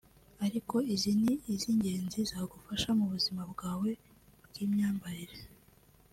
ariko izi ni iz’ingenzi zagufasha mu buzima bwawe bw’imyambarire